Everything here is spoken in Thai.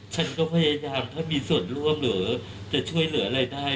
ฉันก็พยายามถ้ามีส่วนร่วมหรือจะช่วยเหลืออะไรได้